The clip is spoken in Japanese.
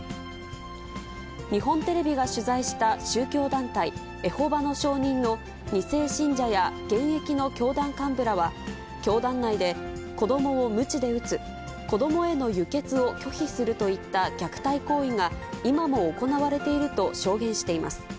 日本テレビが取材した宗教団体、エホバの証人の２世信者や現役の教団幹部らは、教団内で子どもをむちで打つ、子どもへの輸血を拒否するといった虐待行為が今も行われていると証言しています。